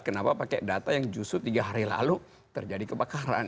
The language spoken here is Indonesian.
kenapa pakai data yang justru tiga hari lalu terjadi kebakaran